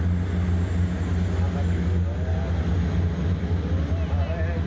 เว้าเว้าระวังระวัง